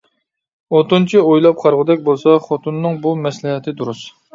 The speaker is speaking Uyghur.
ئوتۇنچى ئويلاپ قارىغۇدەك بولسا، خوتۇنىنىڭ بۇ مەسلىھەتى دۇرۇس.